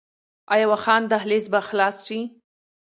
آیا واخان دهلیز به خلاص شي؟